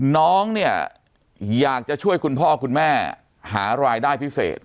น้องเนี่ยอยากจะช่วยคุณพ่อคุณแม่หารายได้พิเศษ